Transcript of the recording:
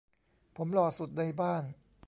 ผมหล่อสุดในบ้าน